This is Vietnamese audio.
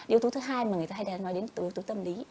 yếu tố thứ hai mà người ta hay nói đến là yếu tố tâm lý